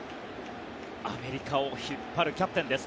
アメリカを引っ張るキャプテンです。